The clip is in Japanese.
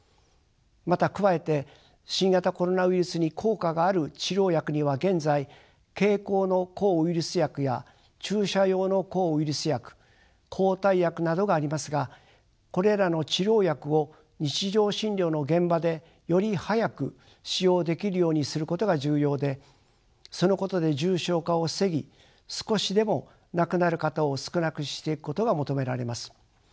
また加えて新型コロナウイルスに効果がある治療薬には現在経口の抗ウイルス薬や注射用の抗ウイルス薬抗体薬などがありますがこれらの治療薬を日常診療の現場でより早く使用できるようにすることが重要でそのことで重症化を防ぎ少しでも亡くなる方を少なくしていくことが求められます。